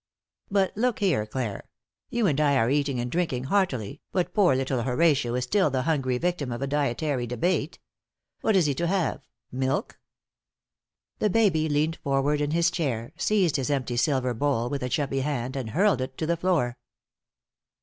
"But look here, Clare; you and I are eating and drinking heartily, but poor little Horatio is still the hungry victim of a dietary debate. What is he to have? milk?" The baby leaned forward in his chair, seized his empty silver bowl with a chubby hand, and hurled it to the floor.